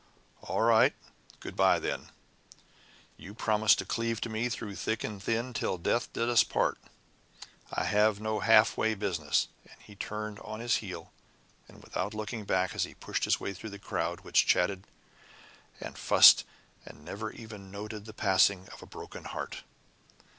"All right! Good bye, then! You promised to cleave to me through thick and thin 'till death did us part.' I'll have no halfway business," and he turned on his heel, and without looking back he pushed his way through the crowd, which chatted and fussed and never even noted the passing of a broken heart.